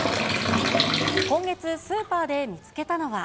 今月スーパーで見つけたのは。